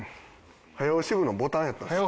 早押し部のボタンやったんですね。